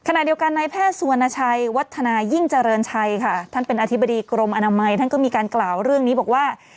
ขณะเดียวกันในแพทย์สุวรรณชัยวัฒนายิ่งเจริญชัยค่ะท่านเป็นอธิบดีกรมอนามัยท่านก็มีการกล่าวเรื่องนี้บอกว่า